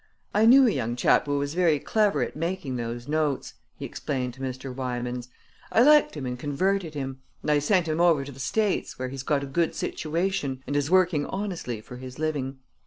I knew a young chap who was very clever at making those notes," he explained to Mr. Wymans. "I liked him and converted him; and I sent him over to the States, where he's got a good situation and is working honestly for his living.